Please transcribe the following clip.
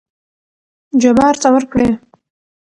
جبار ته ورکړې.